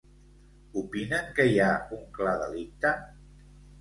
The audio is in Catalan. Opinen que hi ha un clar delicte?